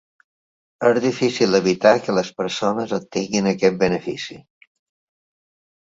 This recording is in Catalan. És difícil evitar que les persones obtinguin aquest benefici.